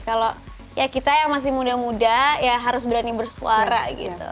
kalau ya kita yang masih muda muda ya harus berani bersuara gitu